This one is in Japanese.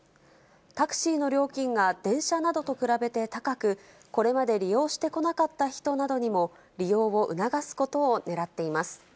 タクシーの料金が電車などと比べて高く、これまで利用してこなかった人などにも、利用を促すことをねらっています。